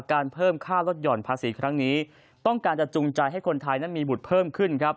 การเพิ่มค่าลดห่อนภาษีครั้งนี้ต้องการจะจุงใจให้คนไทยนั้นมีบุตรเพิ่มขึ้นครับ